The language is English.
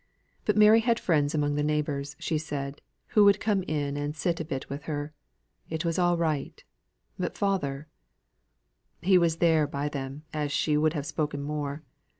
But Mary had friends amongst the neighbours, she said, who would come in and sit a bit with her; it was all right; but father He was there by them or she would have spoken more.